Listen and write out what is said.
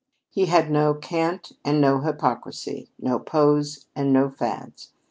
He had no cant and no hypocrisy, no pose and no fads.